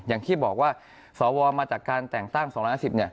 อย่างที่บอกว่าสวมาจากการแต่งตั้ง๒๕๐เนี่ย